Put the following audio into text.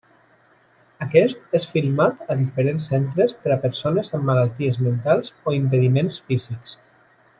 Aquest és filmat a diferents centres per a persones amb malalties mentals o impediments físics.